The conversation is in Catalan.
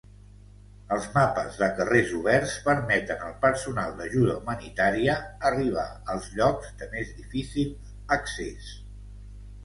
Els mapes de carrers oberts permeten al personal d'ajuda humanitària arribar als llocs de més difícil accés.